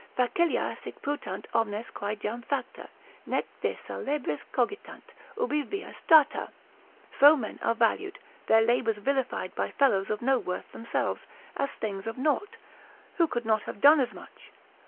Facilia sic putant omnes quae jam facta, nec de salebris cogitant, ubi via strata; so men are valued, their labours vilified by fellows of no worth themselves, as things of nought, who could not have done as much.